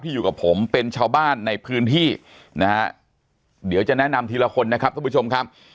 อยู่กับผมเป็นชาวบ้านในพื้นที่นะฮะเดี๋ยวจะแนะนำทีละคนนะครับทุกผู้ชมครับ